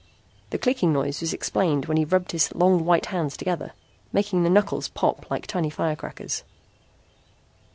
The clicking noise was explained when he rubbed his long white hands together, making the knuckles pop like tiny firecrackers.